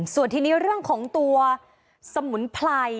ส่วนทีนี้เรื่องของตัวสมุนไพร